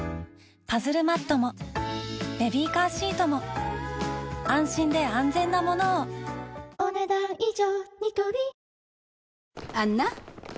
パズルマットもベビーカーシートも安心で安全なものをお、ねだん以上。